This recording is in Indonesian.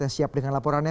yang siap dengan laporannya